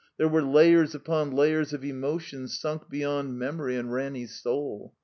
There were layers uix)n layers of emotion simk be yond memory in Ranny's soul.